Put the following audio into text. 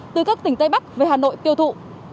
từ các tỉnh tây bắc về hà nội tiêu thụ